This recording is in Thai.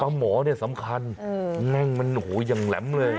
ปลาหมอเนี่ยสำคัญแง่งมันโหยังแหลมเลย